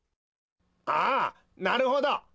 ああなるほど。